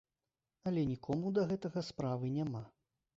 Але нікому да гэтага справы няма.